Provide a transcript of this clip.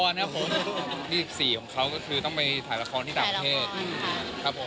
ที่๑๔ของเขาก็คือต้องไปถ่ายละครที่ต่างประเทศครับผมพรุ่งนี้๑๔ของเขาก็คือต้องไปถ่ายละครที่ต่างประเทศครับผม